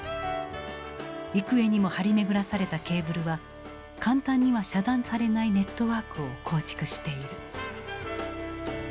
幾重にも張り巡らされたケーブルは簡単には遮断されないネットワークを構築している。